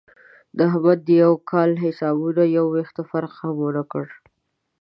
د احمد د یوه کال حسابونو یو وېښته فرق هم ونه کړ.